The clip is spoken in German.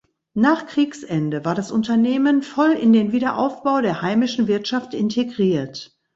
Nach Kriegsende war das Unternehmen voll in den Wiederaufbau der heimischen Wirtschaft integriert.